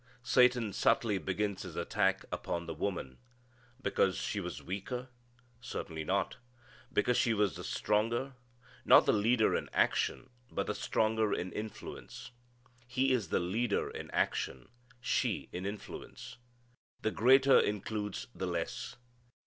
Satan subtly begins his attack upon the woman. Because she was the weaker? Certainly not. Because she was the stronger. Not the leader in action, but the stronger in influence. He is the leader in action: she in influence. The greater includes the less.